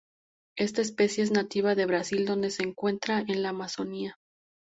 Esta especie es nativa de Brasil donde se encuentra en la Amazonia.